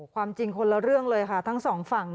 ความจริงคนละเรื่องเลยค่ะทั้งสองฝั่ง